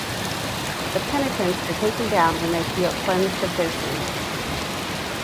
The penitents are taken down when they feel cleansed of their sin.